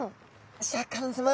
シャーク香音さま